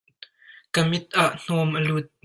Ka mit ah hnawm a lut.